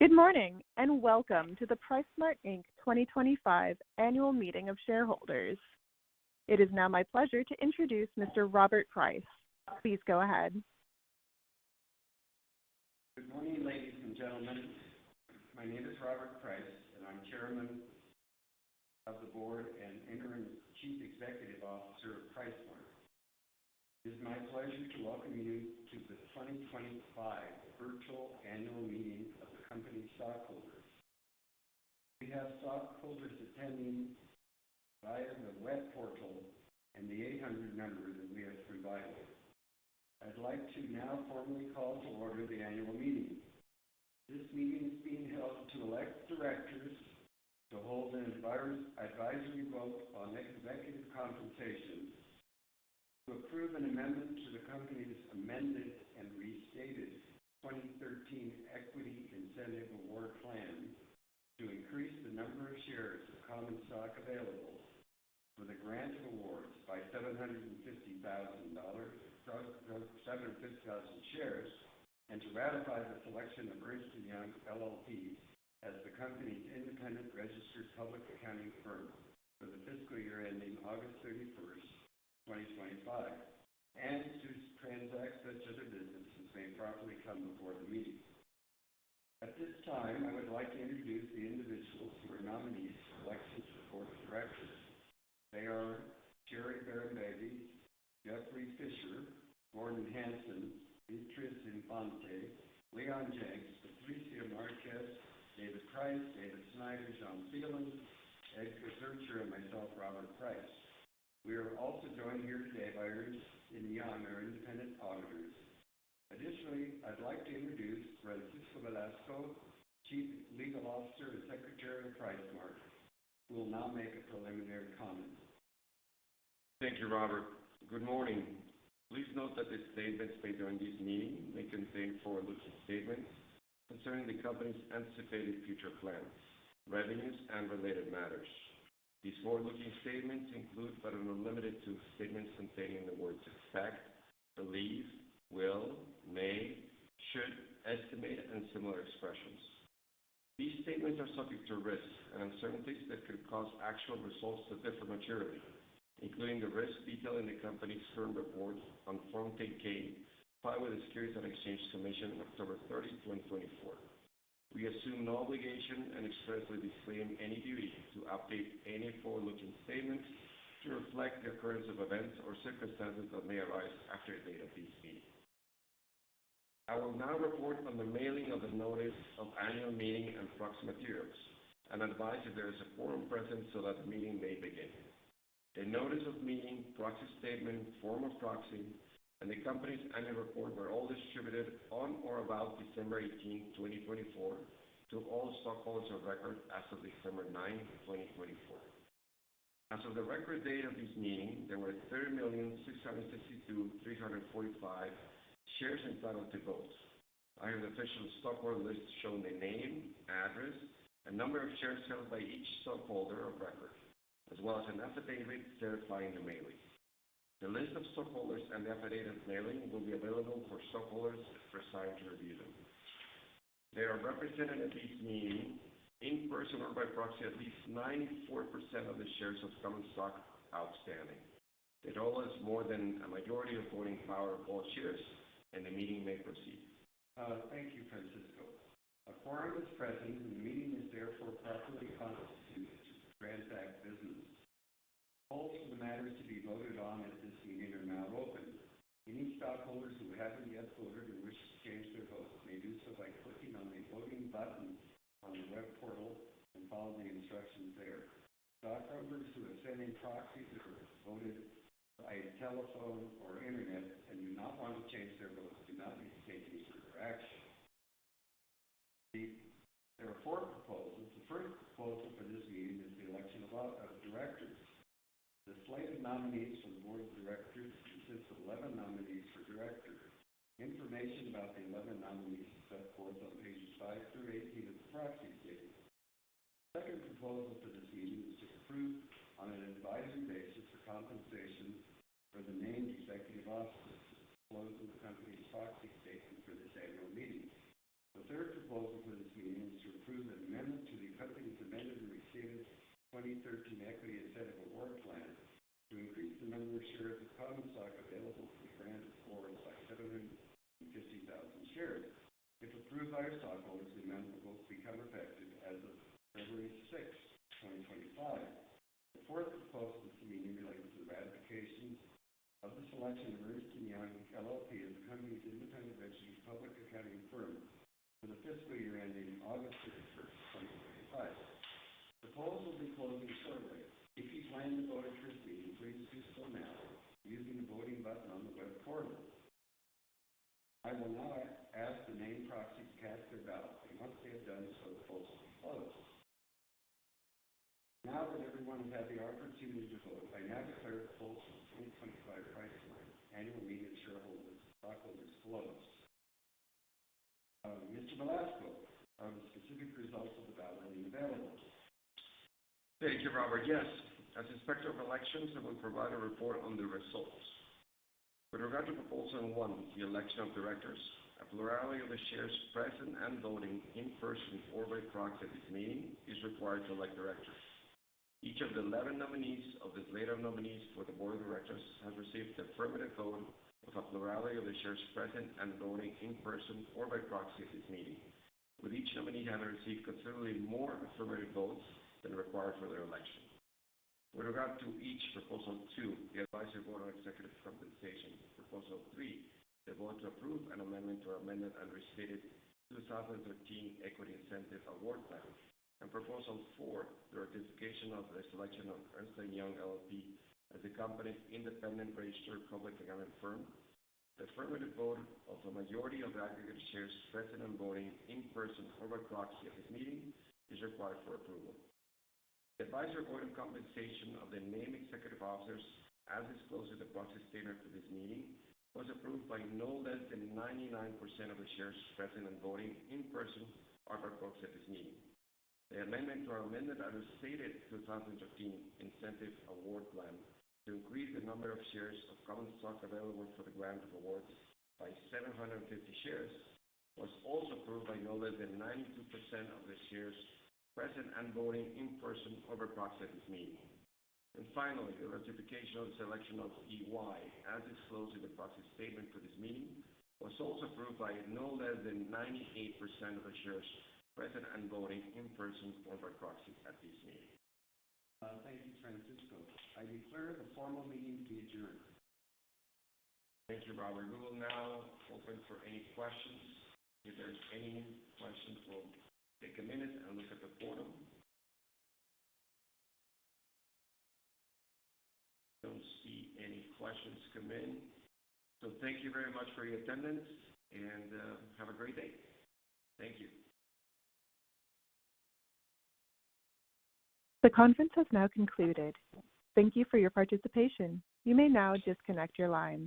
Good morning and welcome to the PriceSmart Inc. 2025 Annual Meeting of Shareholders. It is now my pleasure to introduce Mr. Robert Price. Please go ahead. Good morning, ladies and gentlemen. My name is Robert Price, and I'm Chairman of the Board and Interim Chief Executive Officer of PriceSmart. It is my pleasure to welcome you to the 2025 Virtual Annual Meeting of the Company's stockholders. We have stockholders attending via the web portal, and the 800 members in the [Western Valley]. I'd like to now formally call to order the Annual Meeting. This meeting is being held to elect directors, to hold an advisory vote on executive compensation, to approve an amendment to the Company's Amended and Restated 2013 Equity Incentive Award Plan, to increase the number of shares of common stock available, to grant awards by 750,000 shares, and to ratify the selection of Ernst & Young LLP as the Company's Independent Registered Public Accounting Firm for the fiscal year ending August 31, 2025, and to transact such other businesses may properly come before the meeting. At this time, I would like to introduce the individuals who are nominees to elect the Board of Directors. They are Sherry Bahrambeygui, Jeffrey Fisher, Gordon Hanson, Beatriz Infante, Leon Janks, Patricia Marquez, David Price, David Snyder, John Thelan, Edgar Zurcher, and myself, Robert Price. We are also joined here today by Ernst & Young independent auditors. Additionally, I'd like to introduce Francisco Velasco, Chief Legal Officer and Secretary of PriceSmart, who will now make a preliminary comment. Thank you, Robert. Good morning. Please note that statements made at this meeting may contain forward-looking statements concerning the Company's anticipated future plans, revenues, and related matters. These forward-looking statements include, but are not limited to, statements containing the words "expect," "believe," "will," "may," "should," "estimate," and similar expressions. These statements are subject to risks and uncertainties that could cause actual results to differ materially, including the risks detailed in the Company's Form 10-K filed with the Securities and Exchange Commission on October 30, 2024. We assume no obligation and expressly disclaim any duty to update any forward-looking statement to reflect the occurrence of events or circumstances that may arise after the date of this meeting. I will now report on the mailing of the Notice of Annual Meeting and Proxy Materials. I'm advised that there is a quorum present so that the meeting may begin. The Notice of Meeting, Proxy Statement, Form of Proxy, and the Company's Annual Report were all distributed on or about December 18, 2024, to all stockholders of record as of December 9, 2024. As of the record date of this meeting, there were 30,662,345 shares entitled to vote. I have the official stockholder list showing the name, address, and number of shares held by each stockholder of record, as well as an affidavit certifying the mailing. The list of stockholders and the affidavit of mailing will be available for stockholders for signing to review them. They are represented at this meeting in person or by proxy at least 94% of the shares of common stock outstanding. That all is more than a majority of voting power of all shares, and the meeting may proceed. Thank you, Francisco. A quorum is present, and the meeting is therefore called to order. that, the business. The following matters to be voted on at this meeting are now open. Any stockholders who haven't yet voted or wish to change their vote may do so by clicking on the voting button on the web portal and following the instructions there stockholders who are sending proxies that were voted by telephone or internet and do not want to change their vote do not need to take any action. The first proposal for this meeting is the election of directors. The slated nominees for the Board of Directors consists of 11 nominees for directors. Information about the 11 nominees is set forth on pages 5 through 18 of the proxy statement. The second proposal for this meeting is to approve, on an advisory basis, the compensation for the named executive officers as set forth in the Company's proxy statement for this Annual Meeting. The third proposal for this meeting is to approve an amendment to the Company's amended and restated 2013 Equity Incentive Award Plan to increase the number of shares of common stock available for grant thereunder by 750,000 shares. If approved by stockholders, the amendment will become effective as of February 6, 2025. The fourth proposal for this meeting relates to ratification of the selection of Ernst & Young LLP as the Company's Independent Registered Public Accounting Firm for the fiscal year ending August 31, 2025. The proposal will be voted on shortly. If you have not yet voted, you can please do so now using the voting button on the web portal. I will now ask the named proxies to cast their ballots once they have done so for the proposal. Now that everyone has had the opportunity to vote, I now declare the polls closed for the 2025 PriceSmart Annual Meeting of Shareholders. Mr. Velasco, please report on the specific results of the ballot. Thank you, Robert. Yes, as Inspector of Elections, I will provide a report on the results. With regard to proposal number one, the election of directors, a plurality of the shares present and voting in person or by proxy at this meeting is required to elect directors. Each of the 11 nominees for the Board of Directors has received affirmative vote with a plurality of the shares present and voting in person or by proxy at this meeting, with each nominee having received considerably more affirmative votes than required for their election. With regard to each proposal two, the advisory vote on executive compensation, proposal three, the vote to approve an amendment to our Amended and Restated 2013 Equity Incentive Award Plan, and proposal four, the ratification of the selection of Ernst & Young LLP as the Company's Independent Registered Public Accounting Firm, the affirmative vote of a majority of the aggregate shares present and voting in person or by proxy at this meeting is required for approval. The advisory vote on compensation of the named executive officers, as disclosed in the proxy statement for this meeting, was approved by no less than 99% of the shares present and voting in person or by proxy at this meeting. The amendment to our Amended and Restated 2013 Equity Incentive Award Plan to increase the number of shares of common stock available for the grant of awards by 750 shares was also approved by no less than 92% of the shares present and voting in person or by proxy at this meeting, and finally, the ratification of the selection of EY, as disclosed in the proxy statement for this meeting, was also approved by no less than 98% of the shares present and voting in person or by proxy at this meeting. Thank you, Francisco. I declare the formal meeting to be adjourned. Thank you, Robert. We will now open for any questions. If there's any questions, we'll take a minute and look at the portal. Don't see any questions come in. So thank you very much for your attendance, and have a great day. The conference has now concluded. Thank you for your participation. You may now disconnect your lines.